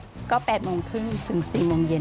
ที่เราบอกว่ามีหลายอย่างไม่ได้มีแต่กะปิอย่างเดียว